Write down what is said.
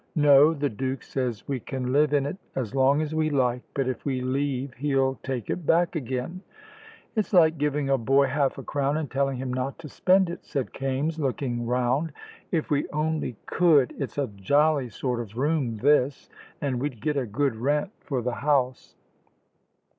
"No; the Duke says we can live in it as long as we like, but if we leave he'll take it back again." "It's like giving a boy half a crown and telling him not to spend it," said Kaimes, looking round. "If we only could! It's a jolly sort of room this, and we'd get a good rent for the house."